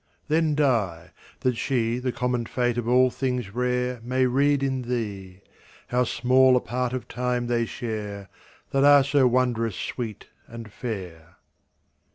Then die, that she The common fate of all things rare May read in thee, How small a part of time they share, That are so wondrous sweet and fair.